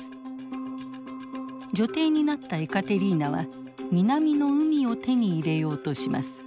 女帝になったエカテリーナは南の海を手に入れようとします。